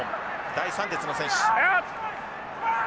第３列の選手。